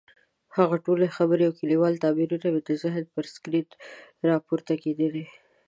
هغه ټولې خبرې او کلیوال تعبیرونه مې د ذهن پر سکرین راپورته کېدلې.